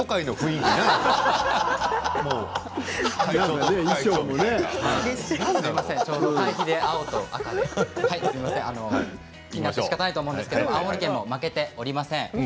気になってしかたないと思うんですけれども青森でも負けていません。